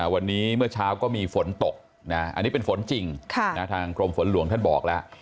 วันนี้เมื่อเช้าก็มีฝนตกอันนี้เป็นฝนจริงทางกรมฝนหลวงท่านบอกแล้ว